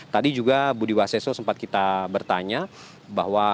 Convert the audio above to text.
tadi juga budi waseso sempat kita bertanya bahwa